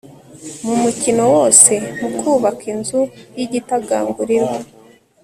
mu mukino wose mu kubaka inzu yigitagangurirwa